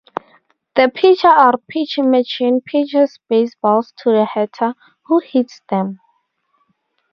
The pitcher or pitching machine pitches baseballs to the batter, who hits them.